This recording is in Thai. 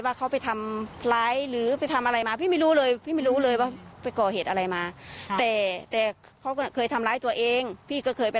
ว่าพี่เห็นเลือดเปิดแต่ว่าเปิดไม่เยอะ